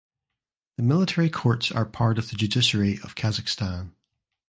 The military courts are part of the judiciary of Kazakhstan.